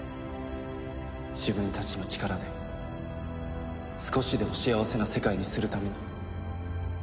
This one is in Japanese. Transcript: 自分たちの力で少しでも幸せな世界にするために。